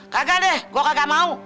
gak deh gue gak mau